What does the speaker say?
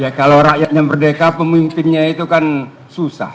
ya kalau rakyatnya merdeka pemimpinnya itu kan susah